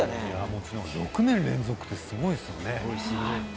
もちろん６年連続ってすごいですね。